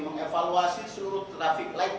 mengevaluasi seluruh traffic light